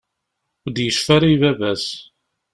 Ur d-yecfi ara i baba-s.